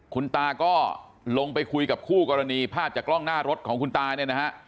คุณตาก็ลงไปคุยกับคู่กรณีภาพจากกล้องหน้ารถของคุณตาเนี่ยนะฮะ